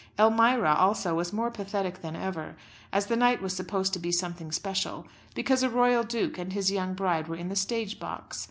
Elmira also was more pathetic than ever, as the night was supposed to be something special, because a royal duke and his young bride were in the stage box.